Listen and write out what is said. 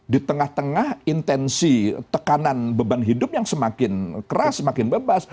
di tengah tengah intensi tekanan beban hidup yang semakin keras semakin bebas